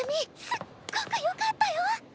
すっごくよかったよ！